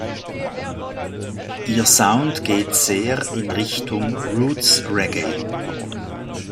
Ihr Sound geht sehr in Richtung Roots-Reggae.